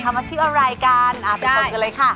ทำอาชีพอะไรกันเป็นชนกันเลยค่ะ